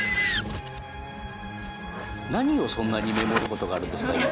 何をそんなにメモることがあるんですかね。